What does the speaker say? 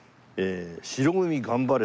「白組頑張れ！」